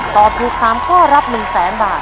ตอบถูก๓ข้อรับ๑๐๐๐๐๐บาท